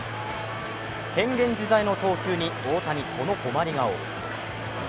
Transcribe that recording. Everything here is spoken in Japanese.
変幻自在の投球に大谷、この困り顔。